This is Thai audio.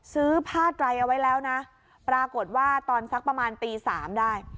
ซื้อผ้าไตรเอาไว้แล้วนะปรากฏว่าตอนสักประมาณตีสามได้